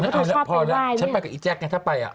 เพราะเธอชอบไปไหว้พอแล้วฉันไปกับอีแจ๊กไงถ้าไป